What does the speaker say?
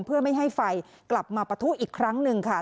เพื่อไม่ให้ไฟกลับมาปะทุอีกครั้งหนึ่งค่ะ